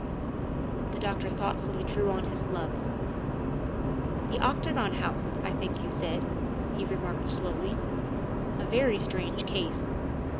The doctor thoughtfully drew on his gloves. '' The Octagon House, I think you said, '' he remarked slowly; " a very strange case.